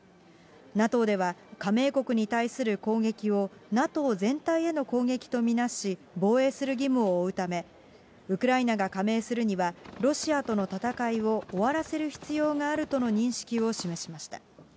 ＮＡＴＯでは、加盟国に対する攻撃をＮＡＴＯ全体への攻撃とみなし、防衛する義務を負うため、ウクライナが加盟するには、ロシアとの戦いを終わらせる必要があるとの認識を示しました。